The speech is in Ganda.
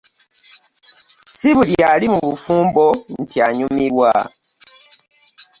Si buli ali mu bufumbo nti anyumirwa.